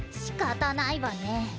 しかたないわね。